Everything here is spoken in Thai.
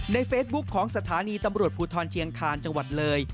เฟซบุ๊คของสถานีตำรวจภูทรเชียงคาญจังหวัดเลย